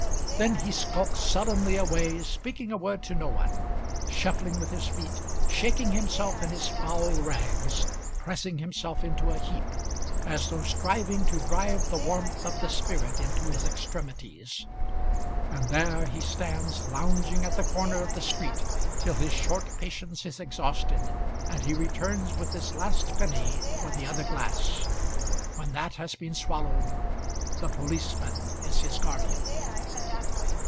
Then he skulks sullenly away, speaking a word to no one, shuffling with his feet, shaking himself in his foul rags, pressing himself into a heap as though striving to drive the warmth of the spirit into his extremities! And there he stands lounging at the corner of the street, till his short patience is exhausted, and he returns with his last penny for the other glass. When that has been swallowed the policeman is his guardian.